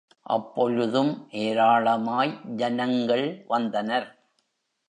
அப்பொழுதும் ஏராளமாய் ஜனங்கள் வந்தனர்.